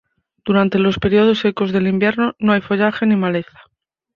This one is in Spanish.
Durante los periodos secos del invierno no hay follaje ni maleza.